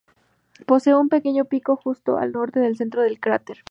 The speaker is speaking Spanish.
Posee un pequeño pico justo al norte del centro del cráter.